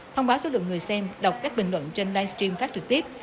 thông báo số lượng người xem đọc các bình luận trên live stream phát trực tiếp